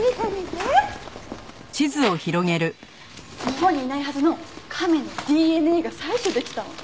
日本にいないはずの亀のＤＮＡが採取できたの。